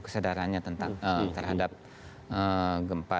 kesadarannya terhadap gempa